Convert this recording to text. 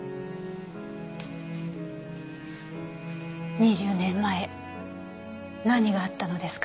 ２０年前何があったのですか？